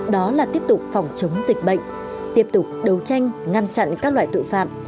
đó là tiếp tục phòng chống dịch bệnh tiếp tục đấu tranh ngăn chặn các loại tội phạm